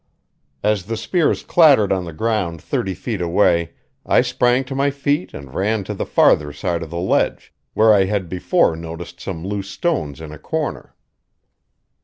As the spears clattered on the ground thirty feet away I sprang to my feet and ran to the farther side of the ledge, where I had before noticed some loose stones in a corner.